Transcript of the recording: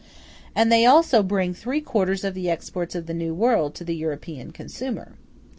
*g And they also bring three quarters of the exports of the New World to the European consumer.